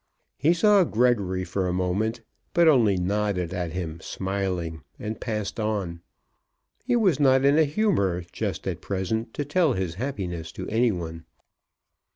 He saw Gregory for a moment, but only nodded at him smiling, and passed on. He was not in a humour just at present to tell his happiness to any one.